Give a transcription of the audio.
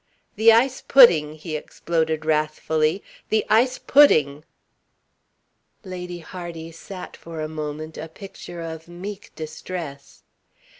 "The ice pudding!" he exploded wrathfully. "The ice pudding!" Lady Hardy sat for a moment, a picture of meek distress.